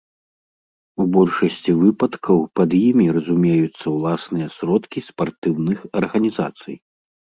У большасці выпадкаў пад імі разумеюцца ўласныя сродкі спартыўных арганізацый.